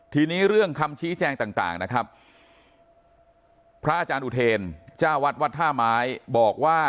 ทีนี้เรื่องคำชี้แจงต่างนะครับพระอาจารย์อุทเทณสุริสาวัดท่าไม้